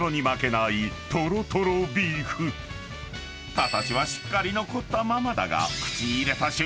［形はしっかり残ったままだが］